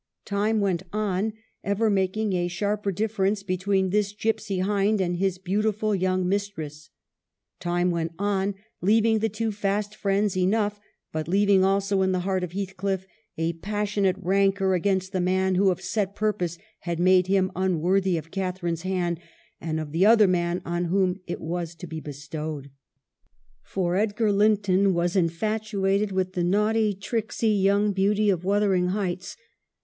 Time went on, ever making a sharper difference between this gypsy hind and his beautiful young mistress ; time went on, leaving the two fast friends enough, but leaving also in the heart of Heathcliff a passionate rancor against the man who, of set purpose, had made him unworthy of Catharine's hand, and of the other man on whom it was to be bestowed. For Edgar Linton was infatuated with the naughty, tricksy young beauty of Wuthering Heights.